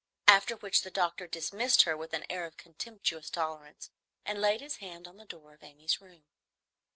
After which the doctor dismissed her with an air of contemptuous tolerance, and laid his hand on the door of Amy's room.